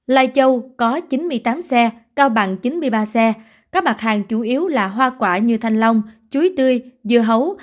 lai châu có chín mươi tám xe cao bằng chín mươi ba xe các mặt hàng chủ yếu là hoa quả như thanh long chuối tươi dưa hấu